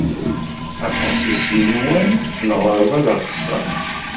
Aṭas i s-yenwan lɣeṛba d aqesseṛ.